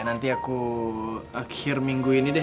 nanti aku akhir minggu ini deh